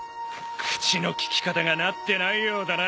口の利き方がなってないようだな。